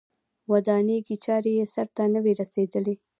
ودانیزې چارې یې سرته نه وې رسېدلې.